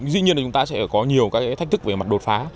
dĩ nhiên là chúng ta sẽ có nhiều thách thức về mặt đột phá